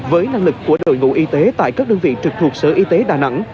với năng lực của đội ngũ y tế tại các đơn vị trực thuộc sở y tế đà nẵng